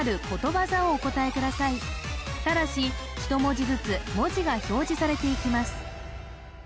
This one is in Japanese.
くださいただし１文字ずつ文字が表示されていきます